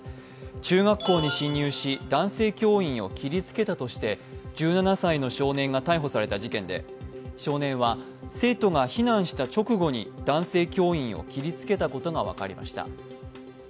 中学校に侵入し、男性教員を切りつけたとして１７歳の少年が逮捕された事件で、少年は生徒が避難した直後に男性教員を切りつけたことが分かりました。